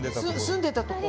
住んでたとこ？